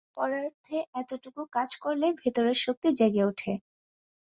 পরার্থে এতটুকু কাজ করলে ভেতরের শক্তি জেগে ওঠে।